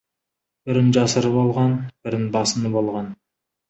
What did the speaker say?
Бірін жасырып алған, бірін басынып алған.